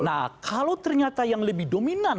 nah kalau ternyata yang lebih dominan